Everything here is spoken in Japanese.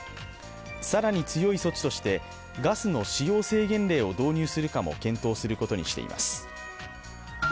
更に強い措置として、ガスの使用制限令を導入するかも検討することにしています。